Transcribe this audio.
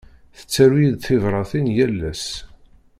Tettaru-yi-d tibratin yal ass.